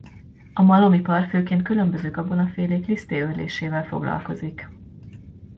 A malomipar főként különböző gabonafélék lisztté őrlésével foglalkozik.